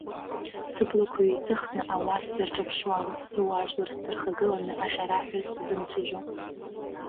Сыблақәа ҩеиҵыхны ауаа сзырҿамԥшуа, сыуаажәлар снархагыланы аӷьараҳәа сзымцәажәо…